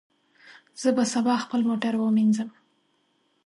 زه به سبا خپل موټر ومینځم.